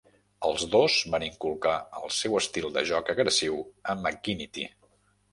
Els dos van inculcar el seu estil de joc agressiu a McGinnity.